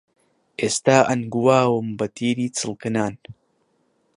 ئێستە ئەنگواوم بەتیری چڵکنان